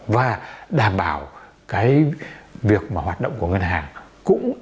và đảm bảo việc hoạt động của ngân hàng cũng an toàn